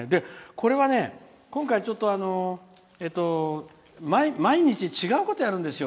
これは今回毎日違うことやるんですよ。